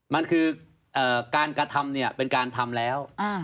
มันคือการกระทำเนี่ยเป็นการทำแล้ว